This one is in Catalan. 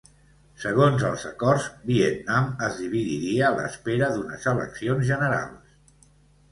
Segons els acords, Vietnam es dividiria a l'espera d'unes eleccions generals.